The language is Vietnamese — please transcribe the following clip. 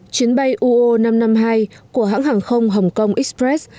chuyến bay uo năm trăm năm mươi hai của hãng hàng không hong kong express